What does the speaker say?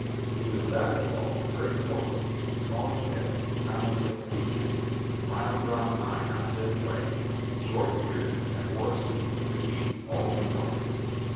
He was rather tall, very portly, smallish head, commonplace features, mild brown eye not very bright, short beard, and wore a suit of tweed all one color.